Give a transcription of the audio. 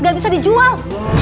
gak bisa dijual